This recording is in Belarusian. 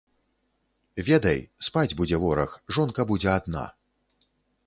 Ведай, спаць будзе вораг, жонка будзе адна.